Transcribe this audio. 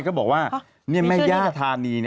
ก็บอกว่าแม่ย่าธานี